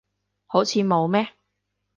好似冇咩